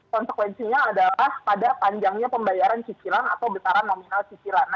konsekuensinya adalah pada panjangnya pembayaran cicilan atau besaran nominal cicilan